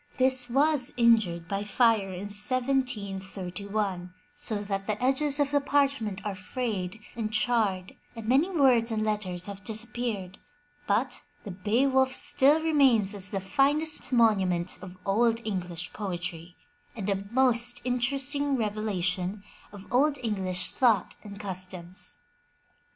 This was injured by fire in 1731, so that the edges of the parchment are frayed and charred and many words and letters have disappeared, but the Beowulf still remains as the finest monument of Old English poetry, and a most inter esting revelation of Old English thought and customs.